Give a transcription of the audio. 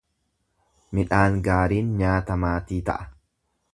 Midhaan gaariin nyaata maatii ta’a.